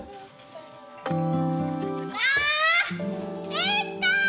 できた！